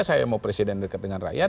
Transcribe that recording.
saya mau presiden dekat dengan rakyat